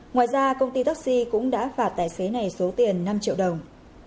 ngoài ra công ty taxi cũng đã phạt tài xế này số tiền năm triệu đồng